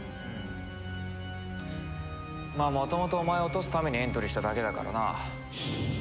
まあ元々お前を落とすためにエントリーしただけだからな。